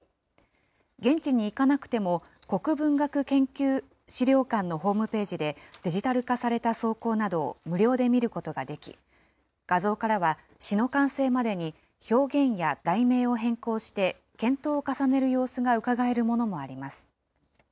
現地に行かなくても、国文学研究資料館のホームページで、デジタル化された草稿などを無料で見ることができ、画像からは詩の完成までに表現や題名を変更して検討を重ねる様子がうかがえるものもあります。